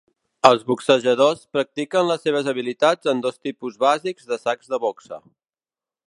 Els boxejadors practiquen les seves habilitats en dos tipus bàsics de sacs de boxa.